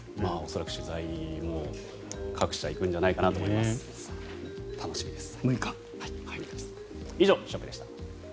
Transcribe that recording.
恐らく取材も各社行くんじゃないかなと思います。